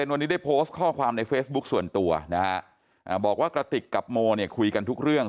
วันนี้ได้โพสต์ข้อความในเฟซบุ๊คส่วนตัวนะฮะบอกว่ากระติกกับโมเนี่ยคุยกันทุกเรื่อง